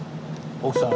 奥さん。